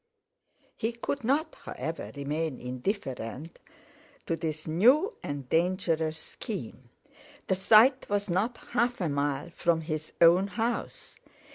He could not, however, remain indifferent to this new and dangerous scheme. The site was not half a mile from his own house.